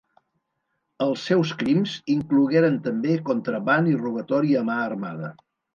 Els seus crims inclogueren també contraban i robatori a mà armada.